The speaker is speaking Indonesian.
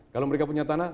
kalau mereka punya tanah